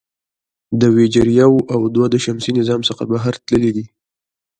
د وویجر یو او دوه د شمسي نظام څخه بهر تللي دي.